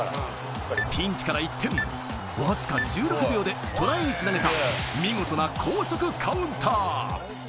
ピンチから一転、わずか１６秒でトライに繋げた見事な高速カウンター。